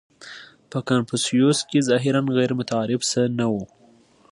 • په کنفوسیوس کې ظاهراً غیرمتعارف څه نهو.